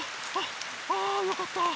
あよかった。